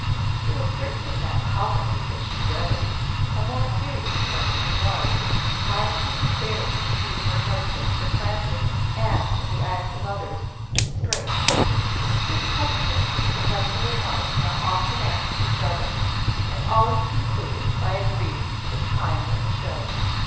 It was certainly not poverty that she dreaded. A more serious question was, how she could bear to see her husband supplanted, and, in the eyes of others, disgraced. This question the husband and wife now often asked each other, and always concluded by agreeing that time must show.